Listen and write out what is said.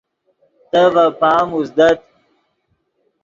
تے ڤے پام اوزدت